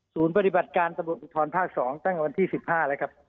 ศูนย์ปฏิบัติการสะบบอุทธรรมภาค๒ตั้งวันที่๑๕แล้วครับ